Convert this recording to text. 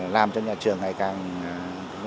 làm cho nhà trường ngày càng